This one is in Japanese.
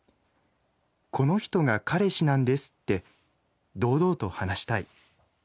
この人が彼氏なんですって堂々と話したい」。